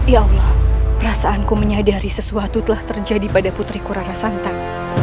ya allah perasaanku menyadari sesuatu telah terjadi pada putriku rana santan